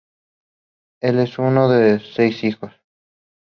Él es uno de seis hijos.